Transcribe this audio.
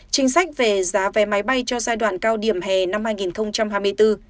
chính sách về giá vé máy bay cho giai đoạn cao điểm hè năm hai nghìn hai mươi bốn